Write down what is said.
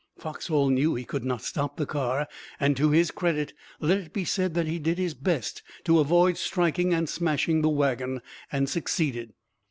Foxhall knew he could not stop the car, and to his credit let it be said that he did his best to avoid striking and smashing the wagon and succeeded.